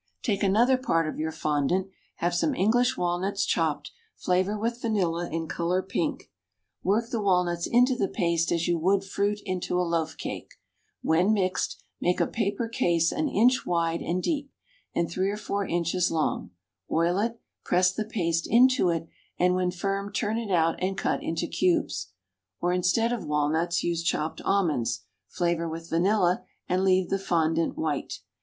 Take another part of your fondant, have some English walnuts chopped, flavor with vanilla and color pink; work the walnuts into the paste as you would fruit into a loaf cake; when mixed, make a paper case an inch wide and deep, and three or four inches long; oil it; press the paste into it, and when firm turn it out and cut into cubes. Or, instead of walnuts, use chopped almonds, flavor with vanilla, and leave the fondant white.